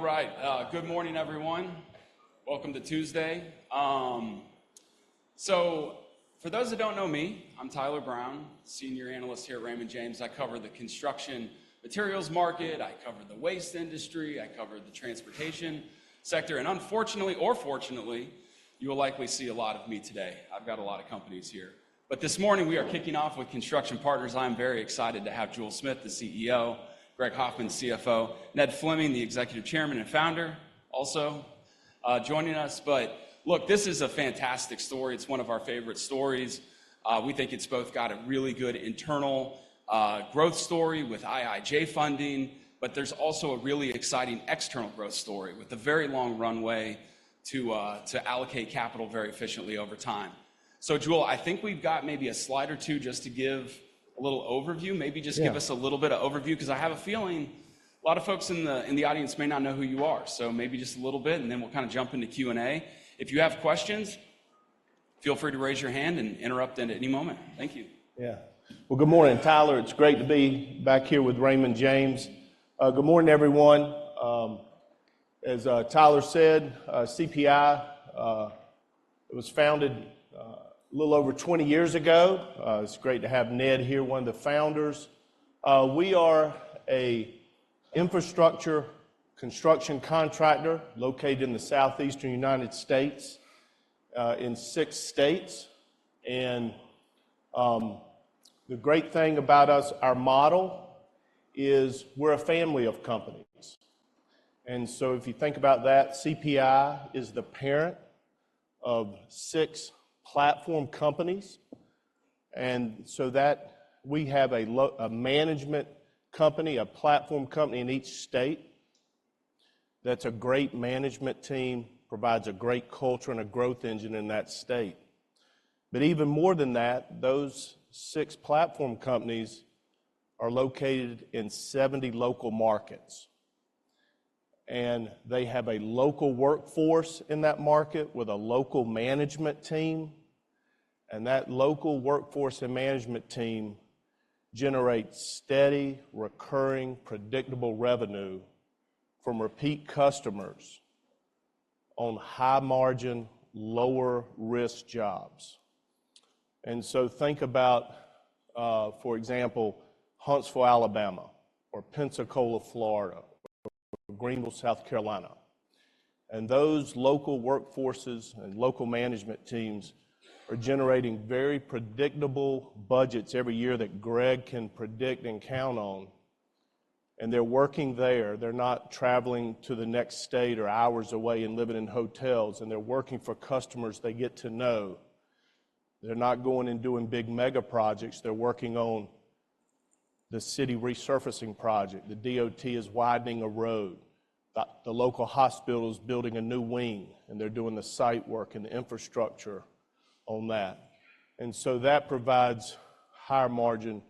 All right, good morning, everyone. Welcome to Tuesday. So for those that don't know me, I'm Tyler Brown, Senior Analyst here at Raymond James. I cover the construction materials market, I cover the waste industry, I cover the transportation sector, and unfortunately or fortunately, you will likely see a lot of me today. I've got a lot of companies here. But this morning, we are kicking off with Construction Partners. I'm very excited to have Jule Smith, the CEO, Greg Hoffmann, CFO, Ned Fleming, the Executive Chairman and Founder, also joining us. But look, this is a fantastic story. It's one of our favorite stories. We think it's both got a really good internal growth story with IIJ funding, but there's also a really exciting external growth story with a very long runway to allocate capital very efficiently over time. So Jule, I think we've got maybe a slide or two just to give a little overview. Yeah. Maybe just give us a little bit of overview, 'cause I have a feeling a lot of folks in the audience may not know who you are. So maybe just a little bit, and then we'll kind of jump into Q&A. If you have questions, feel free to raise your hand and interrupt at any moment. Thank you. Yeah. Well, good morning, Tyler. It's great to be back here with Raymond James. Good morning, everyone. As Tyler said, CPI was founded a little over 20 years ago. It's great to have Ned here, one of the founders. We are a infrastructure construction contractor located in the Southeastern United States in six states. And the great thing about us, our model is we're a family of companies. And so if you think about that, CPI is the parent of six platform companies, and so that we have a management company, a platform company in each state, that's a great management team, provides a great culture and a growth engine in that state. But even more than that, those six platform companies are located in 70 local markets, and they have a local workforce in that market with a local management team, and that local workforce and management team generates steady, recurring, predictable revenue from repeat customers on high-margin, lower-risk jobs. So think about, for example, Huntsville, Alabama, or Pensacola, Florida, or Greenville, South Carolina. And those local workforces and local management teams are generating very predictable budgets every year that Greg can predict and count on, and they're working there. They're not traveling to the next state or hours away and living in hotels, and they're working for customers they get to know. They're not going and doing big mega projects. They're working on the city resurfacing project. The DOT is widening a road. The local hospital is building a new wing, and they're doing the site work and the infrastructure on that. So that provides higher margin,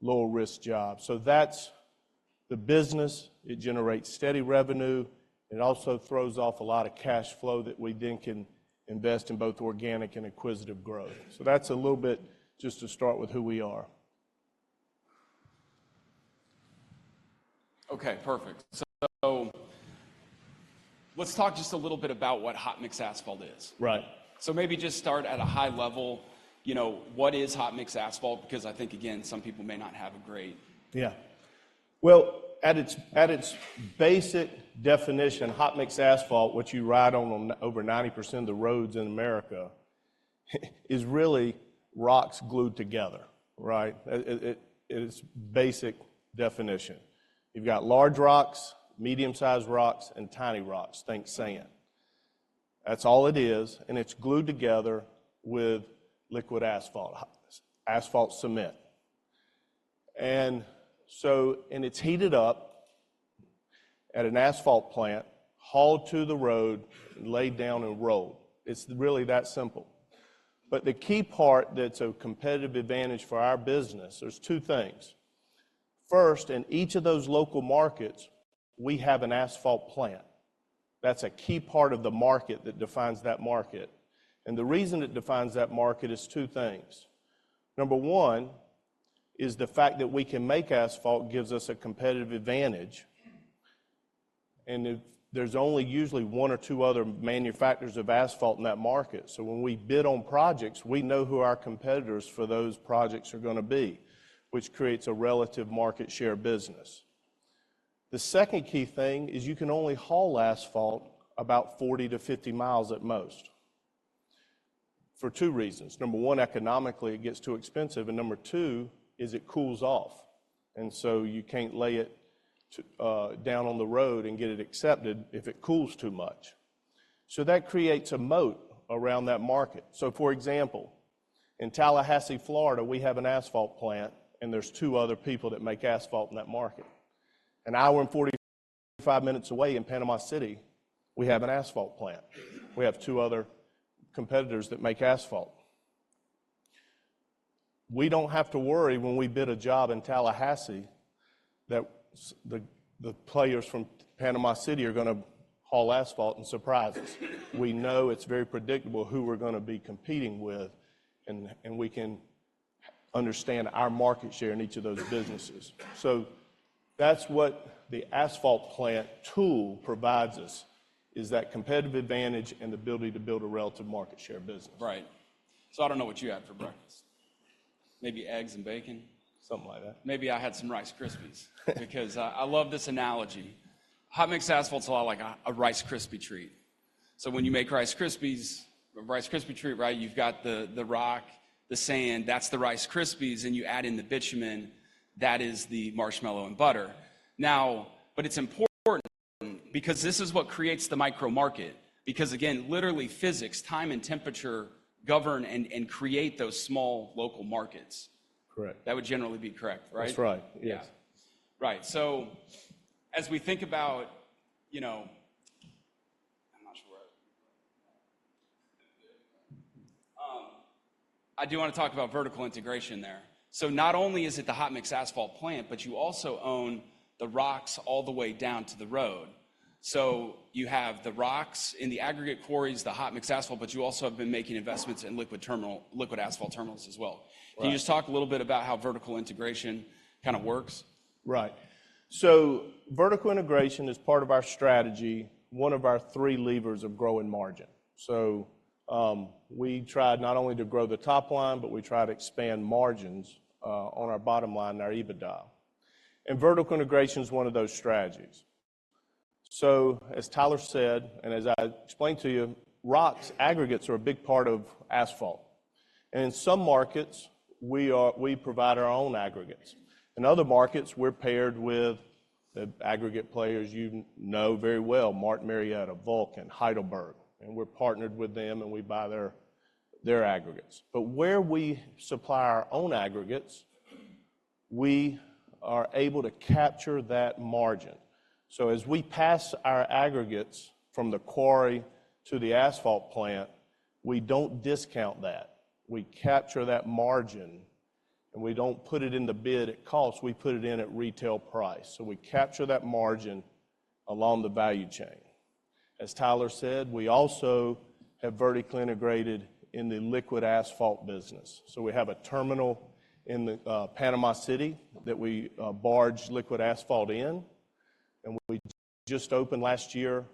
lower risk jobs. That's the business. It generates steady revenue. It also throws off a lot of cash flow that we then can invest in both organic and acquisitive growth. That's a little bit just to start with who we are. Okay, perfect. So, let's talk just a little bit about what hot mix asphalt is. Right. So maybe just start at a high level. You know, what is hot mix asphalt? Because I think, again, some people may not have a great- Yeah. Well, at its basic definition, hot mix asphalt, which you ride on over 90% of the roads in America, is really rocks glued together, right? At its basic definition. You've got large rocks, medium-sized rocks, and tiny rocks. Think sand. That's all it is, and it's glued together with liquid asphalt, asphalt cement. And so, and it's heated up at an asphalt plant, hauled to the road, laid down, and rolled. It's really that simple. But the key part that's a competitive advantage for our business, there's two things: First, in each of those local markets, we have an asphalt plant. That's a key part of the market that defines that market, and the reason it defines that market is two things. Number 1 is the fact that we can make asphalt gives us a competitive advantage, and there's only usually one or two other manufacturers of asphalt in that market. So when we bid on projects, we know who our competitors for those projects are gonna be, which creates a relative market share business. The second key thing is you can only haul asphalt about 40-50 miles at most, for two reasons. Number 1, economically, it gets too expensive, and number 2 is it cools off, and so you can't lay it down on the road and get it accepted if it cools too much. So that creates a moat around that market. So, for example, in Tallahassee, Florida, we have an asphalt plant, and there's two other people that make asphalt in that market. An hour and 45 minutes away in Panama City, we have an asphalt plant. We have two other competitors that make asphalt. We don't have to worry when we bid a job in Tallahassee that the players from Panama City are gonna haul asphalt and surprise us. We know it's very predictable who we're gonna be competing with, and we can understand our market share in each of those businesses. So that's what the asphalt plant tool provides us, is that competitive advantage and the ability to build a relative market share business. Right. So I don't know what you had for breakfast. Maybe eggs and bacon? Something like that. Maybe I had some Rice Krispies, because I, I love this analogy. Hot mix asphalt's a lot like a Rice Krispie Treat. So when you make Rice Krispies, a Rice Krispie Treat, right, you've got the rock, the sand, that's the Rice Krispies, and you add in the bitumen, that is the marshmallow and butter. Now, but it's important because this is what creates the micro market. Because, again, literally physics, time and temperature, govern and create those small local markets. Correct. That would generally be correct, right? That's right. Yes. Yeah. Right, so as we think about, you know... I'm not sure, I do wanna talk about vertical integration there. So not only is it the hot mix asphalt plant, but you also own the rocks all the way down to the road. So you have the rocks in the aggregate quarries, the hot mix asphalt, but you also have been making investments in liquid terminal, liquid asphalt terminals as well. Right. Can you just talk a little bit about how vertical integration kind of works? Right. So vertical integration is part of our strategy, one of our three levers of growing margin. So, we try not only to grow the top line, but we try to expand margins on our bottom line and our EBITDA. And vertical integration is one of those strategies. So, as Tyler said, and as I explained to you, rocks, aggregates, are a big part of asphalt, and in some markets, we are, we provide our own aggregates. In other markets, we're paired with the aggregate players you know very well, Martin Marietta, Vulcan, Heidelberg, and we're partnered with them, and we buy their aggregates. But where we supply our own aggregates, we are able to capture that margin. So as we pass our aggregates from the quarry to the asphalt plant, we don't discount that. We capture that margin, and we don't put it in the bid at cost, we put it in at retail price. So we capture that margin along the value chain. As Tyler said, we also have vertically integrated in the liquid asphalt business. So we have a terminal in the Panama City that we barge liquid asphalt in, and we just opened last year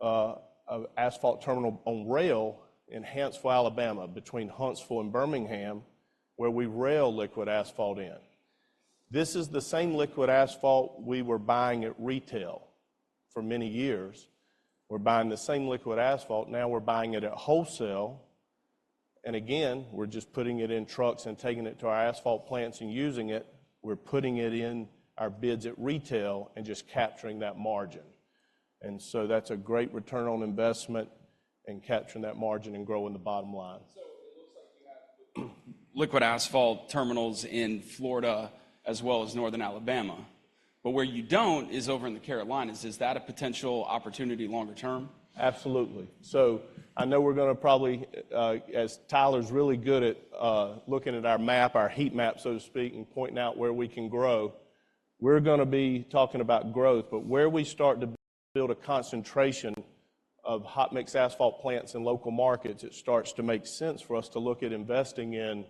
a asphalt terminal on rail in Huntsville, Alabama, between Huntsville and Birmingham, where we rail liquid asphalt in. This is the same liquid asphalt we were buying at retail for many years. We're buying the same liquid asphalt, now we're buying it at wholesale, and again, we're just putting it in trucks and taking it to our asphalt plants and using it. We're putting it in our bids at retail and just capturing that margin. And so that's a great return on investment in capturing that margin and growing the bottom line. So, it looks like you have liquid asphalt terminals in Florida as well as northern Alabama, but where you don't is over in the Carolinas. Is that a potential opportunity longer term? Absolutely. So I know we're gonna probably, as Tyler's really good at, looking at our map, our heat map, so to speak, and pointing out where we can grow, we're gonna be talking about growth. But where we start to build a concentration of hot mix asphalt plants in local markets, it starts to make sense for us to look at investing in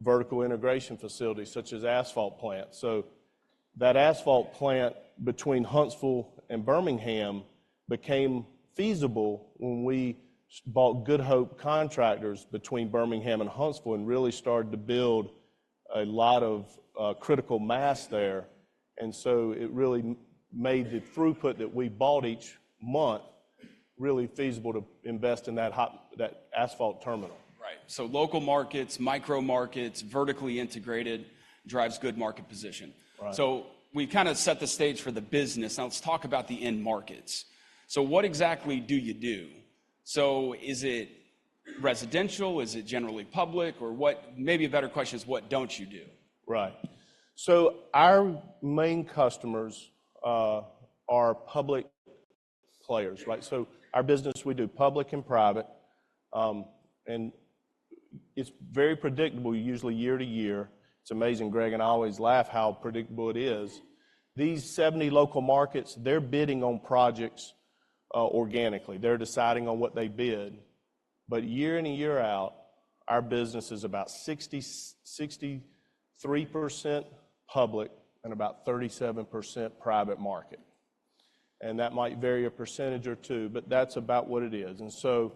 vertical integration facilities, such as asphalt plants. So that asphalt plant between Huntsville and Birmingham became feasible when we bought Good Hope Contractors between Birmingham and Huntsville and really started to build a lot of critical mass there. And so it really made the throughput that we bought each month really feasible to invest in that hot, that asphalt terminal. Right. So local markets, micro markets, vertically integrated, drives good market position. Right. So we've kind of set the stage for the business. Now let's talk about the end markets. So what exactly do you do? So is it residential? Is it generally public? Or what? Maybe a better question is, what don't you do? Right. So our main customers are public players, right? So our business, we do public and private. And it's very predictable, usually year to year. It's amazing, Greg and I always laugh how predictable it is. These 70 local markets, they're bidding on projects organically. They're deciding on what they bid. But year in and year out, our business is about 60-63% public and about 37% private market. And that might vary a percentage or two, but that's about what it is. And so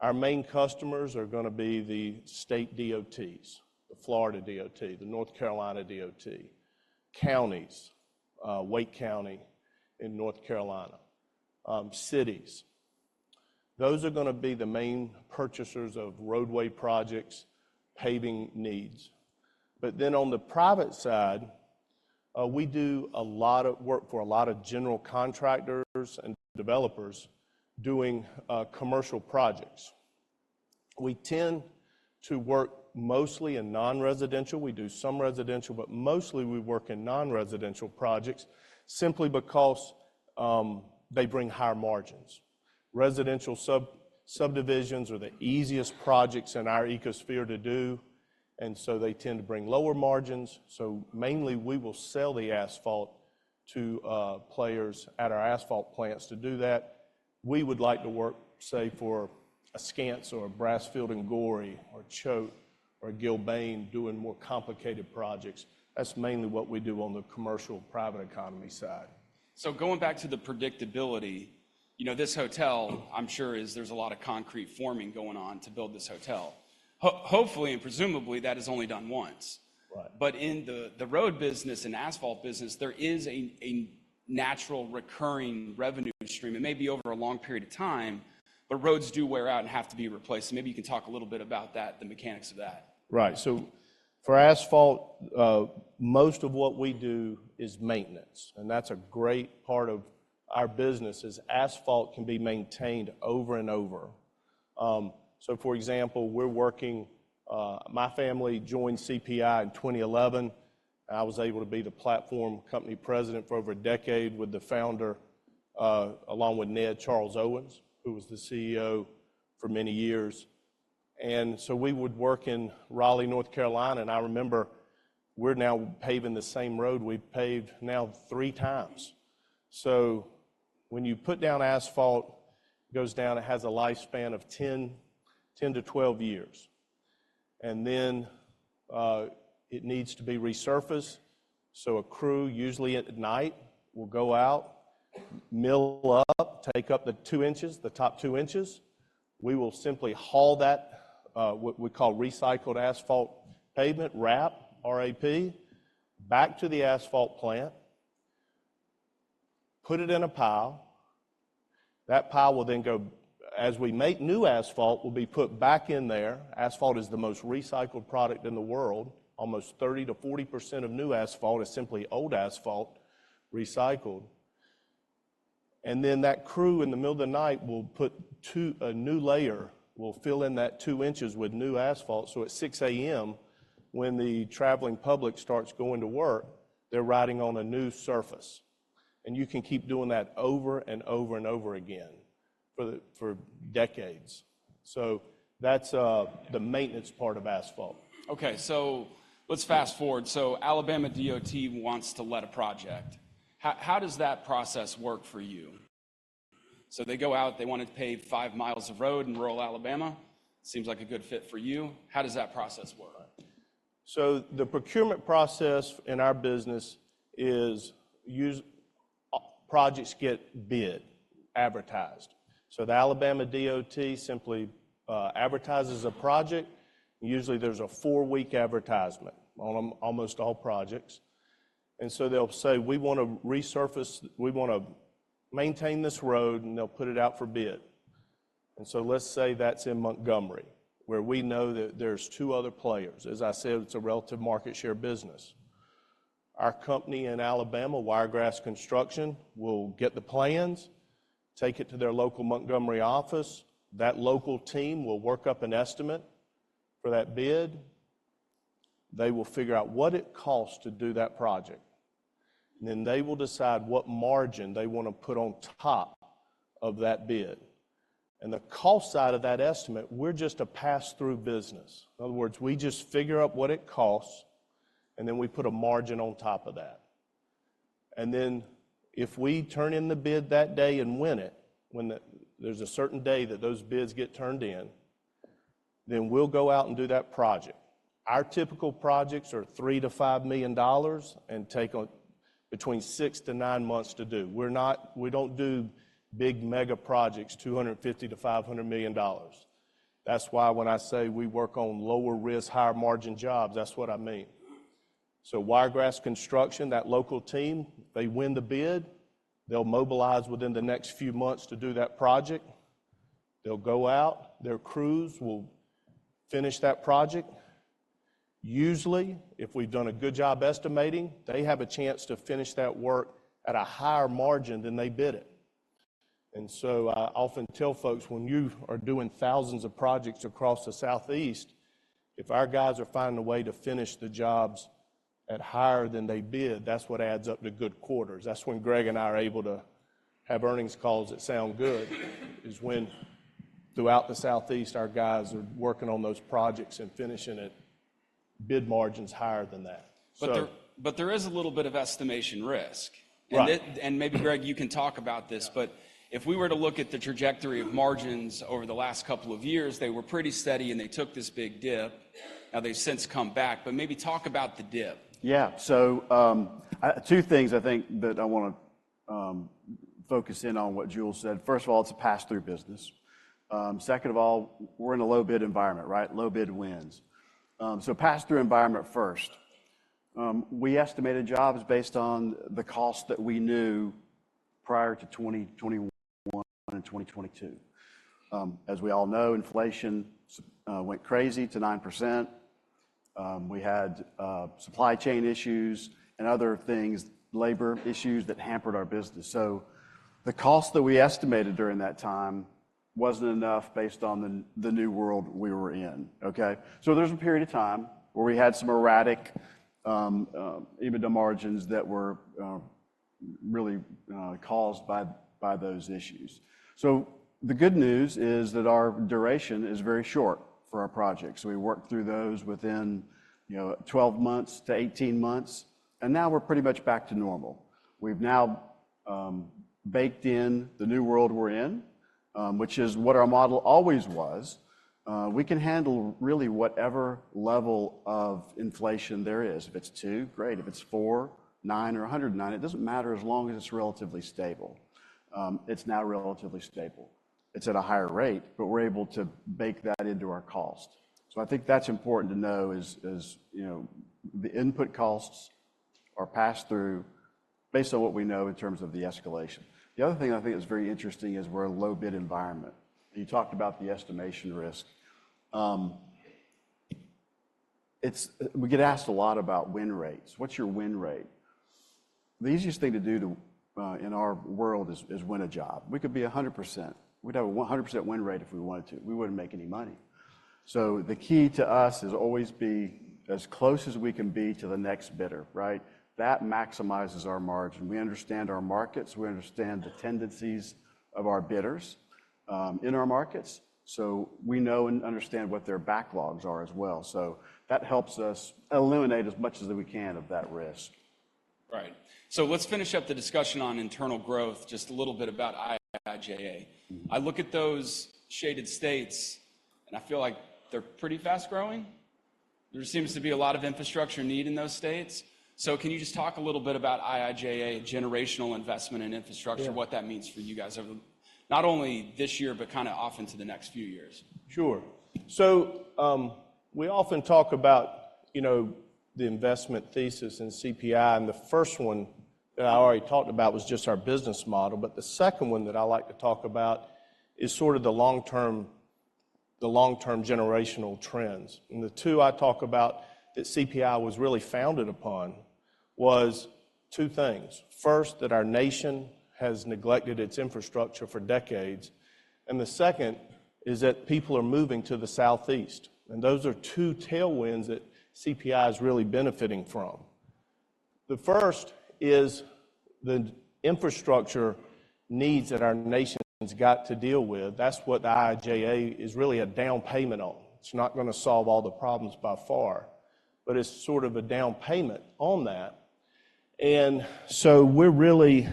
our main customers are gonna be the state DOTs, the Florida DOT, the North Carolina DOT, counties, Wake County in North Carolina, cities. Those are gonna be the main purchasers of roadway projects, paving needs. But then on the private side, we do a lot of work for a lot of general contractors and developers doing commercial projects. We tend to work mostly in non-residential. We do some residential, but mostly we work in non-residential projects, simply because they bring higher margins. Residential subdivisions are the easiest projects in our ecosphere to do, and so they tend to bring lower margins. So mainly, we will sell the asphalt to players at our asphalt plants to do that. We would like to work, say, for a Skanska or a Brasfield & Gorrie, or Choate, or Gilbane, doing more complicated projects. That's mainly what we do on the commercial, private economy side. So going back to the predictability, you know, this hotel, I'm sure, there's a lot of concrete forming going on to build this hotel. Hopefully, and presumably, that is only done once. Right. But in the road business and asphalt business, there is a natural recurring revenue stream. It may be over a long period of time, but roads do wear out and have to be replaced. So maybe you can talk a little bit about that, the mechanics of that. Right. So for asphalt, most of what we do is maintenance, and that's a great part of our business is asphalt can be maintained over and over. So for example, we're working... My family joined CPI in 2011, and I was able to be the platform company president for over a decade with the founder, along with Ned, Charles Owens, who was the CEO for many years. And so we would work in Raleigh, North Carolina, and I remember we're now paving the same road we've paved now three times. So when you put down asphalt, it goes down, it has a lifespan of 10-12 years. And then, it needs to be resurfaced, so a crew, usually at night, will go out, mill up, take up the 2 inches, the top 2 inches. We will simply haul that, what we call Recycled Asphalt Pavement, RAP, R-A-P, back to the asphalt plant, put it in a pile. That pile will then go, as we make new asphalt, will be put back in there. Asphalt is the most recycled product in the world. Almost 30%-40% of new asphalt is simply old asphalt recycled. And then that crew, in the middle of the night, will put two a new layer, will fill in that two inches with new asphalt. So at 6 A.M., when the traveling public starts going to work, they're riding on a new surface, and you can keep doing that over and over and over again for decades. So that's the maintenance part of asphalt. Okay, so let's fast-forward. So Alabama DOT wants to let a project. How, how does that process work for you? So they go out, they want to pave 5mi of road in rural Alabama. Seems like a good fit for you. How does that process work? So the procurement process in our business is projects get bid, advertised. So the Alabama DOT simply advertises a project. Usually, there's a four-week advertisement on almost all projects. And so they'll say, "We want to resurface. We want to maintain this road," and they'll put it out for bid. And so let's say that's in Montgomery, where we know that there's two other players. As I said, it's a relative market share business. Our company in Alabama, Wiregrass Construction, will get the plans, take it to their local Montgomery office. That local team will work up an estimate for that bid. They will figure out what it costs to do that project, and then they will decide what margin they want to put on top of that bid. And the cost side of that estimate, we're just a pass-through business. In other words, we just figure out what it costs, and then we put a margin on top of that. And then, if we turn in the bid that day and win it, when the, there's a certain day that those bids get turned in, then we'll go out and do that project. Our typical projects are $3 million-$5 million and take between 6-9 months to do. We don't do big mega projects, $250 million -$500 million. That's why when I say we work on lower-risk, higher-margin jobs, that's what I mean. So Wiregrass Construction, that local team, they win the bid, they'll mobilize within the next few months to do that project. They'll go out, their crews will finish that project. Usually, if we've done a good job estimating, they have a chance to finish that work at a higher margin than they bid it. And so, I often tell folks, "When you are doing thousands of projects across the Southeast, if our guys are finding a way to finish the jobs at higher than they bid, that's what adds up to good quarters." That's when Greg and I are able to have earnings calls that sound good, is when throughout the Southeast, our guys are working on those projects and finishing at bid margins higher than that. So- But there is a little bit of estimation risk. Right. Maybe, Greg, you can talk about this. Yeah. But if we were to look at the trajectory of margins over the last couple of years, they were pretty steady, and they took this big dip. Now, they've since come back, but maybe talk about the dip. Yeah. So, two things I think that I want to focus in on what Jule said. First of all, it's a pass-through business. Second of all, we're in a low-bid environment, right? Low bid wins. So pass-through environment first. We estimated jobs based on the cost that we knew prior to 2021 and 2022. As we all know, inflation went crazy to 9%. We had supply chain issues and other things, labor issues that hampered our business. So the cost that we estimated during that time wasn't enough based on the new world we were in, okay? So there's a period of time where we had some erratic EBITDA margins that were really caused by those issues. So the good news is that our duration is very short for our projects. We work through those within, you know, 12-18 months, and now we're pretty much back to normal. We've now baked in the new world we're in. which is what our model always was. We can handle really whatever level of inflation there is. If it's 2, great. If it's 4, 9, or 109, it doesn't matter as long as it's relatively stable. It's now relatively stable. It's at a higher rate, but we're able to bake that into our cost. So I think that's important to know is, you know, the input costs are passed through based on what we know in terms of the escalation. The other thing I think is very interesting is we're a low-bid environment. You talked about the estimation risk. It's we get asked a lot about win rates. "What's your win rate?" The easiest thing to do to, in our world is win a job. We could be 100%. We'd have a 100% win rate if we wanted to. We wouldn't make any money. So the key to us is always be as close as we can be to the next bidder, right? That maximizes our margin. We understand our markets, we understand the tendencies of our bidders, in our markets, so we know and understand what their backlogs are as well. So that helps us eliminate as much as we can of that risk. Right. So let's finish up the discussion on internal growth, just a little bit about IIJA. Mm-hmm. I look at those shaded states, and I feel like they're pretty fast-growing. There seems to be a lot of infrastructure need in those states. So can you just talk a little bit about IIJA, generational investment in infrastructure? Yeah... what that means for you guys over, not only this year, but kinda off into the next few years? Sure. So, we often talk about, you know, the investment thesis in CPI, and the first one that I already talked about was just our business model, but the second one that I like to talk about is sort of the long-term, the long-term generational trends. And the two I talk about that CPI was really founded upon was two things: first, that our nation has neglected its infrastructure for decades, and the second is that people are moving to the southeast. And those are two tailwinds that CPI is really benefiting from. The first is the infrastructure needs that our nation's got to deal with. That's what the IIJA is really a down payment on. It's not gonna solve all the problems by far, but it's sort of a down payment on that. And so we're really...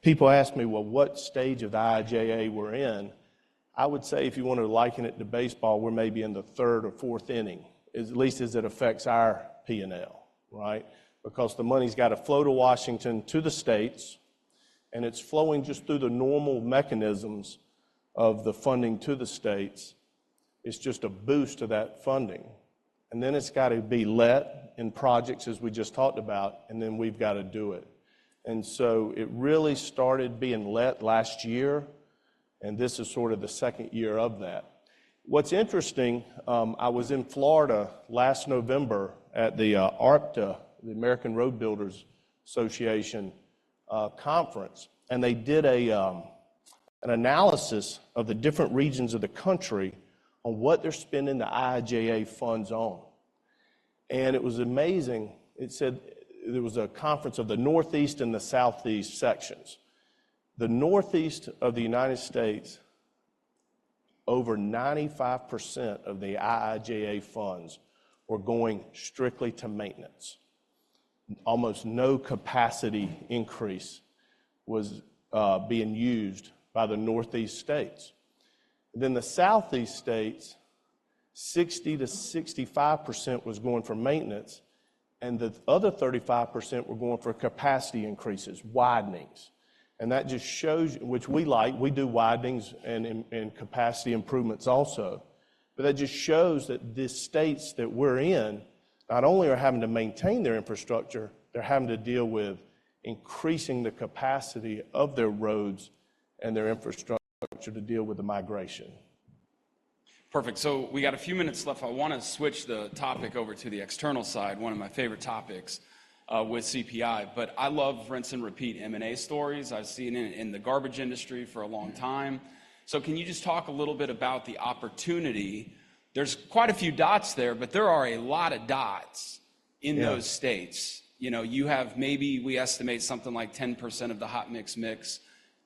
People ask me, "Well, what stage of the IIJA we're in?" I would say, if you want to liken it to baseball, we're maybe in the third or fourth inning, at least as it affects our P&L, right? Because the money's got to flow to Washington, to the states, and it's flowing just through the normal mechanisms of the funding to the states. It's just a boost to that funding. And then it's got to be let in projects, as we just talked about, and then we've got to do it. And so it really started being let last year, and this is sort of the second year of that. What's interesting, I was in Florida last November at the ARTBA, the American Road & Transportation Builders Association, conference, and they did an analysis of the different regions of the country on what they're spending the IIJA funds on. It was amazing. It said there was a conference of the Northeast and the Southeast sections. The Northeast of the United States, over 95% of the IIJA funds were going strictly to maintenance. Almost no capacity increase was being used by the Northeast states. Then the Southeast states, 60%-65% was going for maintenance, and the other 35% were going for capacity increases, widenings. That just shows, which we like, we do widenings and capacity improvements also, but that just shows that the states that we're in not only are having to maintain their infrastructure, they're having to deal with increasing the capacity of their roads and their infrastructure to deal with the migration. Perfect. So we got a few minutes left. I wanna switch the topic over to the external side, one of my favorite topics, with CPI, but I love rinse and repeat M&A stories. I've seen it in the garbage industry for a long time. Yeah. Can you just talk a little bit about the opportunity? There's quite a few dots there, but there are a lot of dots- Yeah... in those states. You know, you have maybe, we estimate, something like 10% of the hot mix mix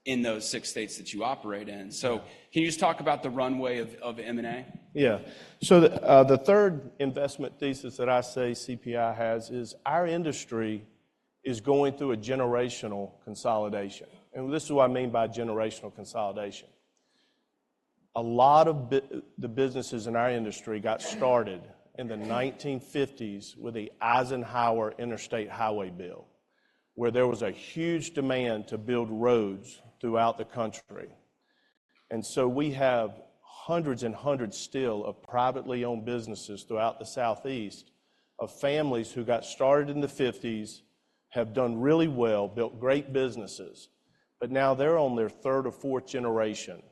in those six states that you operate in. Yeah. Can you just talk about the runway of M&A? Yeah. So the third investment thesis that I say CPI has is our industry is going through a generational consolidation, and this is what I mean by generational consolidation. A lot of the businesses in our industry got started in the 1950s with the Eisenhower Interstate Highway Bill, where there was a huge demand to build roads throughout the country. And so we have hundreds and hundreds still of privately owned businesses throughout the southeast, of families who got started in the 1950s, have done really well, built great businesses, but now they're on their third or fourth generation,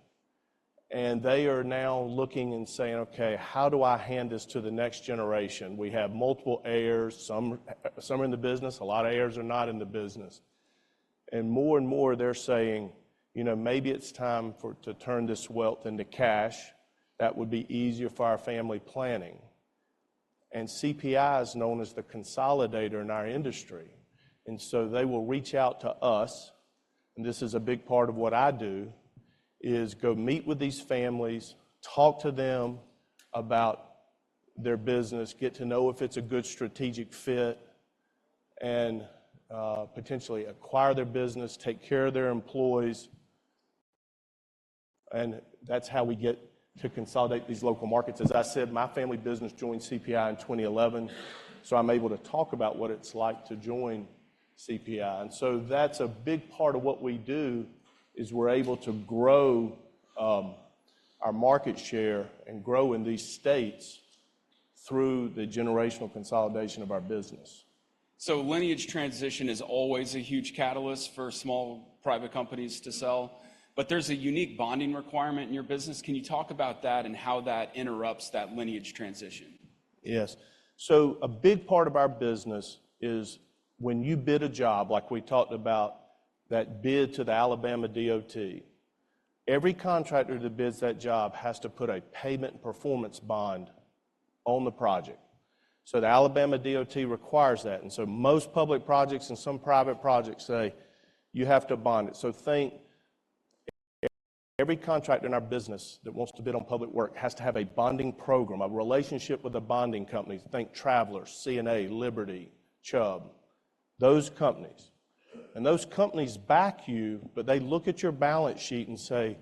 and they are now looking and saying, "Okay, how do I hand this to the next generation? We have multiple heirs, some, some are in the business, a lot of heirs are not in the business." And more and more, they're saying, "You know, maybe it's time for, to turn this wealth into cash. That would be easier for our family planning." And CPI is known as the consolidator in our industry, and so they will reach out to us, and this is a big part of what I do, is go meet with these families, talk to them about their business, get to know if it's a good strategic fit... and, potentially acquire their business, take care of their employees, and that's how we get to consolidate these local markets. As I said, my family business joined CPI in 2011, so I'm able to talk about what it's like to join CPI. That's a big part of what we do, is we're able to grow our market share and grow in these states through the generational consolidation of our business. Lineage transition is always a huge catalyst for small private companies to sell, but there's a unique bonding requirement in your business. Can you talk about that and how that interrupts that lineage transition? Yes. So a big part of our business is when you bid a job, like we talked about that bid to the Alabama DOT, every contractor that bids that job has to put a payment performance bond on the project. So the Alabama DOT requires that, and so most public projects and some private projects say you have to bond it. So think, every contractor in our business that wants to bid on public work has to have a bonding program, a relationship with a bonding company. Think Travelers, CNA, Liberty, Chubb, those companies. Those companies back you, but they look at your balance sheet and say,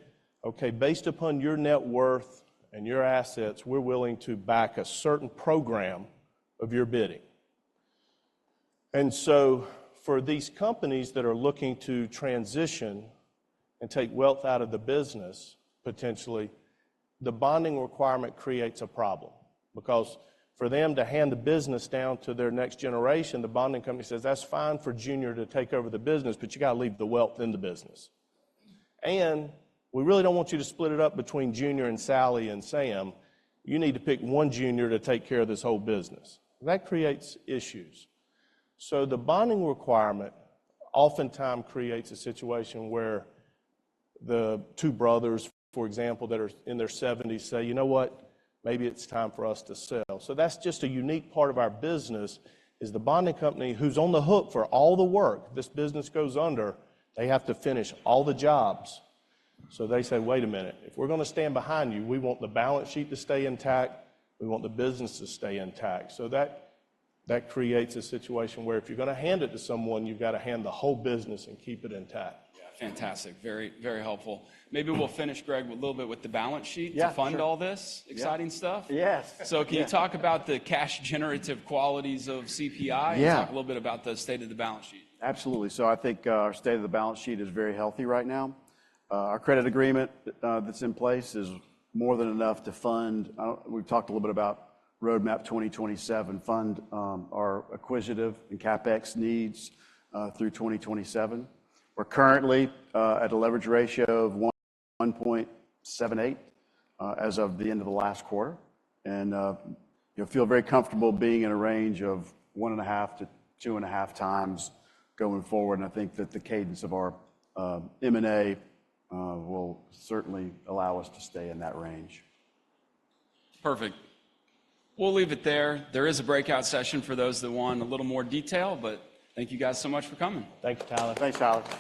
"Okay, based upon your net worth and your assets, we're willing to back a certain program of your bidding." So, for these companies that are looking to transition and take wealth out of the business, potentially, the bonding requirement creates a problem, because for them to hand the business down to their next generation, the bonding company says, "That's fine for Junior to take over the business, but you got to leave the wealth in the business. And we really don't want you to split it up between Junior and Sally and Sam. You need to pick one junior to take care of this whole business." That creates issues. The bonding requirement oftentimes creates a situation where the two brothers, for example, that are in their seventies, say, "You know what? Maybe it's time for us to sell." So that's just a unique part of our business, is the bonding company who's on the hook for all the work. This business goes under, they have to finish all the jobs. So they say, "Wait a minute, if we're gonna stand behind you, we want the balance sheet to stay intact. We want the business to stay intact." So that, that creates a situation where if you're gonna hand it to someone, you've got to hand the whole business and keep it intact. Fantastic. Very, very helpful. Maybe we'll finish, Greg, with a little bit with the balance sheet- Yeah, sure. to fund all this exciting stuff. Yes. Can you talk about the cash generative qualities of CPI? Yeah. Talk a little bit about the state of the balance sheet. Absolutely. So I think, our state of the balance sheet is very healthy right now. Our credit agreement, that's in place is more than enough to fund... We've talked a little bit about Roadmap 2027, fund, our acquisitive and CapEx needs, through 2027. We're currently, at a leverage ratio of 1.78, as of the end of the last quarter, and, you know, feel very comfortable being in a range of 1.5x-2.5x going forward. And I think that the cadence of our, M&A, will certainly allow us to stay in that range. Perfect. We'll leave it there. There is a breakout session for those that want a little more detail, but thank you guys so much for coming. Thank you, Tyler. Thanks, Tyler.